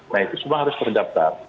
nah itu semua harus terdaftar